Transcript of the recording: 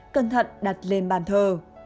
cẩn thận đặt lên bàn thờ